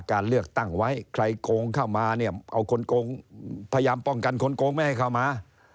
การเลือกตั้งไว้ใครโกงเข้ามาเนี่ยเอาคนโกงพยายามป้องกันคนโกงไม่ให้เข้ามา